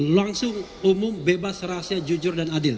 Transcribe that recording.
langsung umum bebas rahasia jujur dan adil